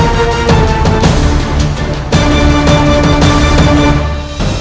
oh aku paling rupanya